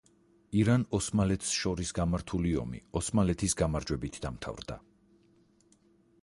ირან-ოსმალეთს შორის გამართული ომი ოსმალეთის გამარჯვებით დამთავრდა.